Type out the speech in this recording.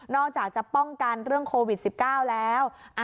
อกจากจะป้องกันเรื่องโควิด๑๙แล้ว